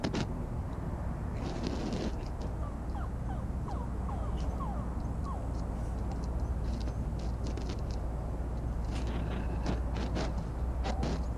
ليکوال څرګنده کړه چي کتاب او چاپېريال بايد ګډ ولوستل سي.